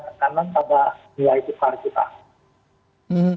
tekanan pada nilai tukar kita